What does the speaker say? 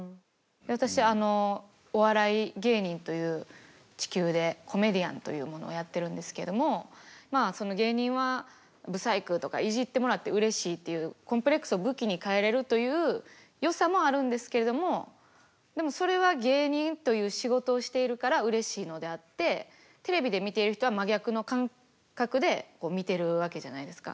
私あのお笑い芸人という地球でコメディアンというものをやってるんですけども芸人は不細工とかいじってもらってうれしいっていうコンプレックスを武器に変えれるというよさもあるんですけれどもでもそれは芸人という仕事をしているからうれしいのであってテレビで見ている人は真逆の感覚で見てるわけじゃないですか。